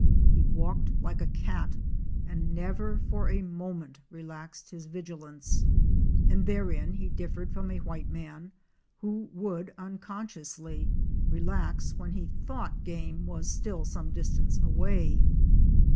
He walked like a cat and never for a moment relaxed his vigilance, and therein he differed from a white man, who would unconsciously relax when he thought game was still some distance away.